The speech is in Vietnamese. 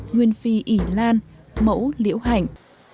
nguyên phi ỉ lan mẫu liễu hạnh